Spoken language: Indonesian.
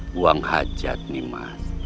buang hajat nimas